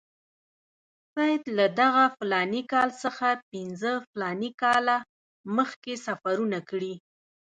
سید له دغه فلاني کال څخه پنځه فلاني کاله مخکې سفرونه کړي.